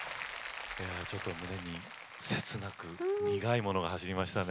ちょっと胸に切なく苦いものが走りましたね。